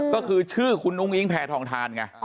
ก็คือชื่อคุณอุ้งอิงแพทองทานไง